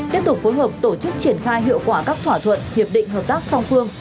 tiếp tục phối hợp tổ chức triển khai hiệu quả các thỏa thuận hiệp định hợp tác song phương